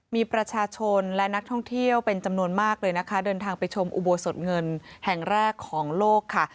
มีประชาชนและนักท่องเที่ยวเป็นจำนวนมากเลยนะคะเดินทางไปชมอุโบสถเงินแห่งแรกของโลกค่ะ